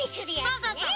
そうそうそう。